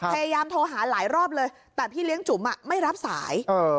พยายามโทรหาหลายรอบเลยแต่พี่เลี้ยงจุ๋มไม่รับสาย